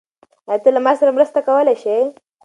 آیا ته له ما سره مرسته کولی شې؟